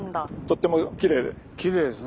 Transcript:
とってもきれいで。